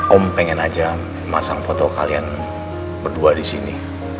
om pengen aja masang foto kalian berdua disini